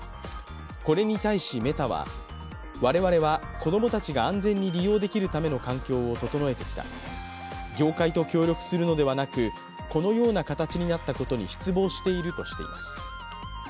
これに対し、メタは、我々は子供たちが安全に利用できるための環境を整えてきた、業界と協力するのではなくこのような形になったことに失望しているとしています。